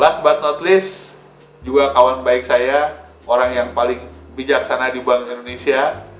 last but not least juga kawan baik saya orang yang paling bijaksana di bank indonesia